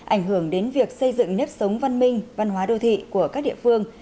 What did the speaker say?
ảnh hưởng đến việc xây dựng nếp sống văn minh văn hóa đô thị của các địa phương